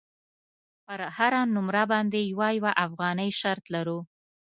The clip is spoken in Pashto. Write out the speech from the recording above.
پر هره نمره باندې یوه یوه افغانۍ شرط لرو.